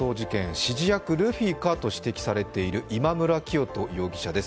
指示役・ルフィかと指摘されていた今村磨人容疑者です。